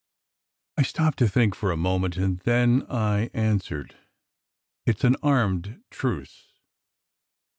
I stopped to think for a moment, and then I answered, "It s an armed truce."